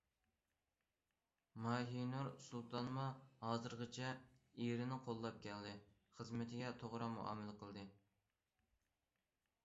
ماھىنۇر سۇلتانمۇ ھازىرغىچە ئېرىنى قوللاپ كەلدى، خىزمىتىگە توغرا مۇئامىلە قىلدى.